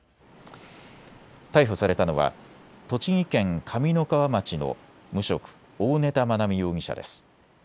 逮捕されたのは栃木県上三川町の無職、大根田愛美容疑者です。